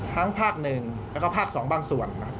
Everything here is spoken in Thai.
ทั้งภาคหนึ่งแล้วก็ภาคสองบางส่วน